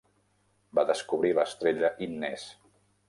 Va descobrir l"estrella Innes.